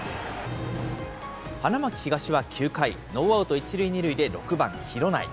花巻東は９回、ノーアウト１塁２塁で６番廣内。